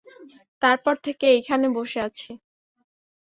তারপর থেকে এইখানে বসে আছি।